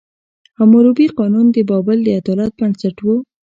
حموربي قانون د بابل د عدالت بنسټ و.